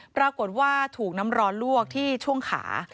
ปรากฏว่าถูกน้ำร้อนลวกที่ช่วงขา